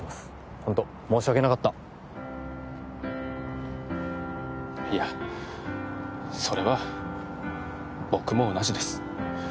ホント申し訳なかったいやそれは僕も同じです